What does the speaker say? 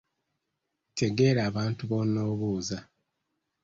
Tegeera abantu b’onoobuuza